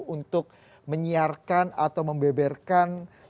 untuk menyiarkan atau membeberkan